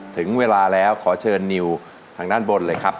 ถึงเวลาแล้วขอเชิญนิวทางด้านบนเลยครับ